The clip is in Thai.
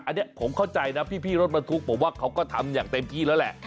อันนี้ผมเข้าใจนะพี่รถบรรทุกผมว่าเขาก็ทำอย่างเต็มที่แล้วแหละ